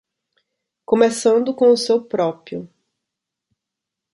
Começando com o seu próprio.